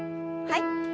はい。